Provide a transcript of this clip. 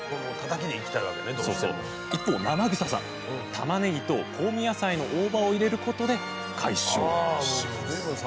一方生臭さ玉ねぎと香味野菜の大葉を入れることで解消します。